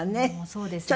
そうですね。